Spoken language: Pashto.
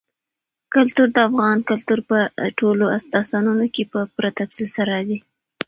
کلتور د افغان کلتور په ټولو داستانونو کې په پوره تفصیل سره راځي.